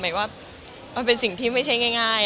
หมายว่ามันเป็นสิ่งที่ไม่ใช่ง่าย